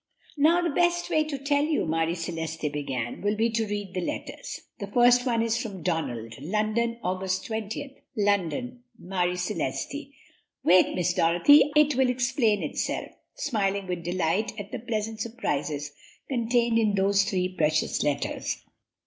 "Now, the best way to tell you," Marie Celeste began, "will be to read the letters. This first one is from Donald. 'London, August 20th'" "London, Marie Celeste!" "Wait, Miss Dorothy; it will explain itself," smiling with delight at the pleasant surprises contained in those three precious letters.